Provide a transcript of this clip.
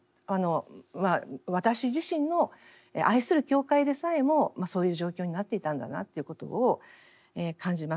私自身の愛する教会でさえもそういう状況になっていたんだなっていうことを感じます。